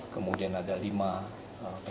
kemudian ada lima pilotnya